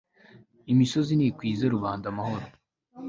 imisozi nikwize rubanda amahoro